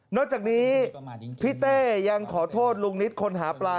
จากนี้พี่เต้ยังขอโทษลุงนิตคนหาปลา